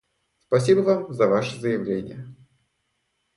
Спасибо Вам за Ваше заявление.